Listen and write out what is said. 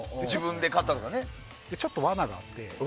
で、ちょっと罠があって。